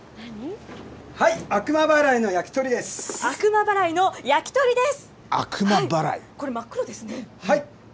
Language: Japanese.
悪魔祓いの焼き鳥です。